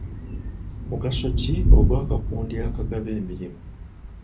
Mugaso ki ogw'akakundi akagaba emirimu?